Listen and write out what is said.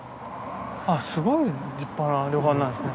あっすごい立派な旅館なんですね。